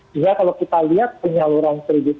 sehingga kalau kita lihat penyaluran kredit